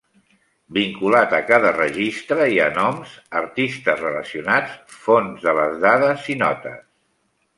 Vinculat a cada registre hi ha noms, artistes relacionats, fonts de les dades i notes.